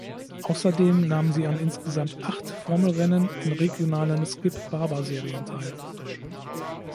Außerdem nahm sie an insgesamt acht Formelrennen in regionalen "Skip Barber" Serien teil.